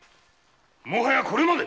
もはやこれまで！